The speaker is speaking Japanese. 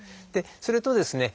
それとですね